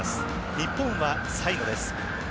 日本は最後です。